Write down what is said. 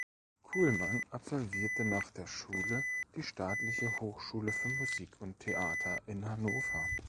Kuhlmann absolvierte nach der Schule die Staatliche Hochschule für Musik und Theater in Hannover.